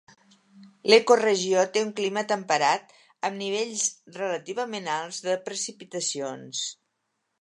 L'ecoregió té un clima temperat, amb nivells relativament alts de precipitacions.